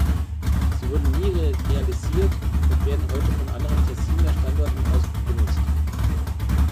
Sie wurden nie realisiert und werden heute von anderen Tessiner Standorten aus genutzt.